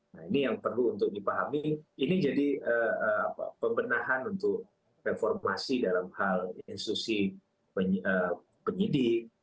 nah ini yang perlu untuk dipahami ini jadi pembenahan untuk reformasi dalam hal institusi penyidik